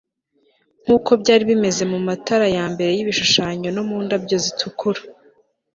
y nkuko byari bimeze mumatara mbere y'ibishushanyo no mu ndabyo zitukura